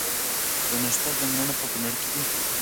د نښتر ځنګلونه په کنړ کې دي؟